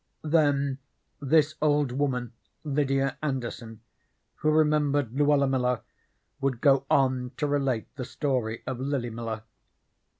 Then this old woman, Lydia Anderson, who remembered Luella Miller, would go on to relate the story of Lily Miller.